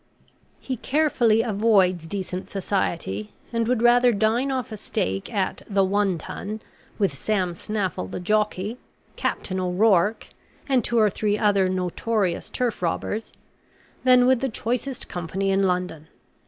He carefully avoids decent society, and would rather dine off a steak at the 'One Tun' with Sam Snaffle the jockey, Captain O'Rourke, and two or three other notorious turf robbers, than with the choicest company in London.